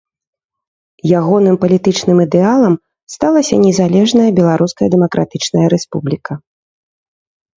Ягоным палітычным ідэалам сталася незалежная Беларуская Дэмакратычная Рэспубліка.